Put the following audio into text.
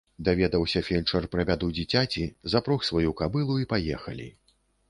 Даведаўся фельчар пра бяду дзіцяці, запрог сваю кабылу, і паехалі.